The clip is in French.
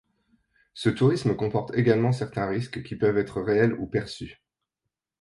Ce tourisme comporte également certains risques qui peuvent être réels ou perçus.